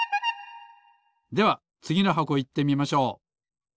ではつぎのはこいってみましょう。